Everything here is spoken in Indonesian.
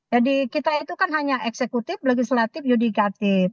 jadi kita itu kan hanya eksekutif legislatif yudikatif